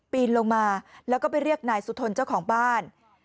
ปีนลงมาแล้วก็ไปเรียกนายสุทนเจ้าของบ้าน